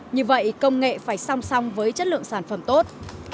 như vậy công nghệ phải song song với chất lượng sản phẩm tốt